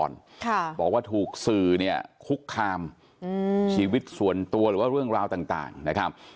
ค่ะบอกว่าถูกสื่อเนี่ยคุกคามอืมชีวิตส่วนตัวหรือว่าเรื่องราวต่างนะครับ